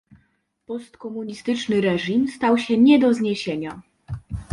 Postkomunistyczny reżim stał się nie do zniesienia